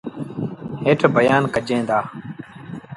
هيٺ بيآن ڪجين دآ۔